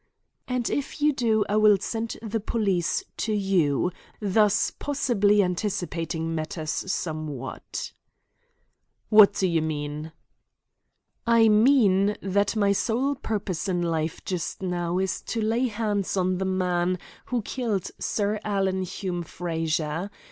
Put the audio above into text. "And if you do I will send the police to you, thus possibly anticipating matters somewhat." "What do you mean?" "I mean that my sole purpose in life just now is to lay hands on the man who killed Sir Alan Hume Frazer.